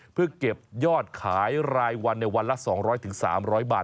เพื่อเก็บยอดขายรายวันในวันละ๒๐๐๓๐๐บาท